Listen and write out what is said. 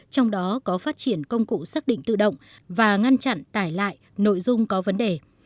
trong đó có phát triển công cụ xác định tự động và ngăn chặn tải lại nội dung có vấn đề